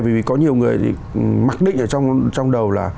vì có nhiều người thì mặc định ở trong đầu là